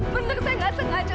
benar saya nggak sengaja